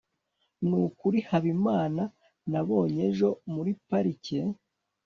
nukuri habimana nabonye ejo muri parike